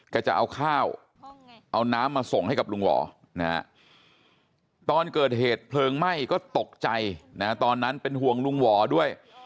ก็จะเอาข้าวเอาน้ำมาส่งให้กับลุงหว่อนะฮะตอนเกิดเหตุเพลิงไหม้ก็ตกใจนะตอนนั้นเป็นห่วงลุงหว่อด้วย